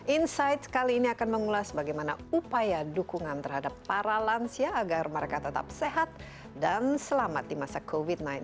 insight kali ini akan mengulas bagaimana upaya dukungan terhadap para lansia agar mereka tetap sehat dan selamat di masa covid sembilan belas